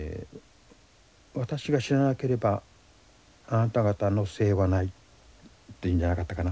私が死ななければあなた方の生はない」って言うんじゃなかったかな？